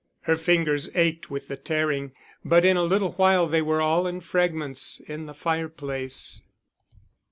Her fingers ached with the tearing, but in a little while they were all in fragments in the fireplace.